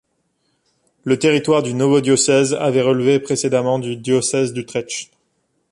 Le territoire du nouveau diocèse avait relevé précédemment du diocèse d'Utrecht.